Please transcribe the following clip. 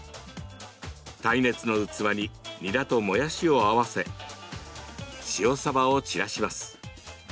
耐熱の器ににらともやしを合わせ塩さばを散らします。